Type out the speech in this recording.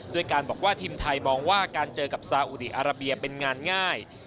ด้วยการบอกว่าทีมไทยมองว่าการเจอกับซาอุดีอาราเบียเป็นงานง่าย